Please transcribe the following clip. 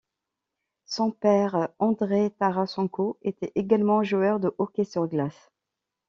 Son père Andreï Tarassenko était également joueur de hockey sur glace.